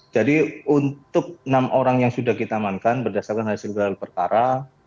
jadi untuk enam orang yang sudah kita amankan berdasarkan hasil percara